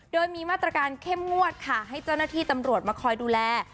โดยมีมาตรการเข้มงวดค่ะให้เจ้าหน้าที่ตำรวจมาคอยดูแล